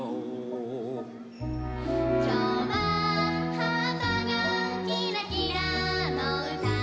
「きょうははっぱがきらきらのうた」